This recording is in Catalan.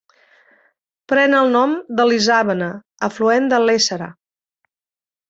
Pren el nom de l'Isàvena, afluent de l'Éssera.